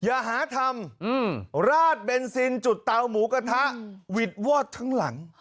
อย่าหาทำราดเบนซินจุดเตาหมูกระทะหวิดวอดทั้งหลัง